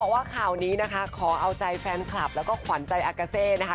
ว่าข่าวนี้นะคะขอเอาใจแฟนคลับแล้วก็ขวัญใจอากาเซนะคะ